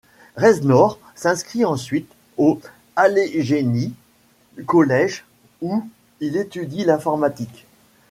Reznor s'inscrit ensuite au Allegheny College, où il étudie l'informatique.